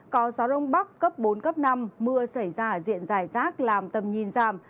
có gió đông bắc cấp bốn cấp năm mưa xảy ra diện rải rác làm tầm nhìn giảm